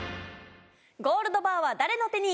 ゴールドバーは誰の手に！